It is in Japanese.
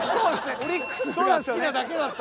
オリックスが好きなだけだった。